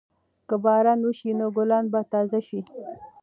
که باران وشي نو ګلان به تازه شي.